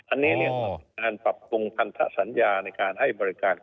อันนี้เรียกว่าเป็นการปรับปรุงพันธสัญญาในการให้บริการ